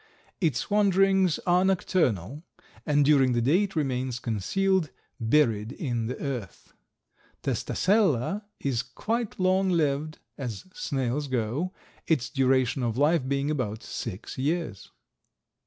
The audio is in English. Its wanderings are nocturnal and during the day it remains concealed, buried in the earth. Testacella is quite long lived, as snails go, its duration of life being about six years.